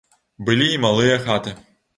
Былі і малыя хаты.